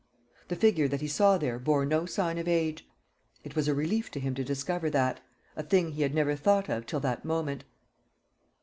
The figure that he saw there bore no sign of age. It was a relief to him to discover that a thing he had never thought of till that moment.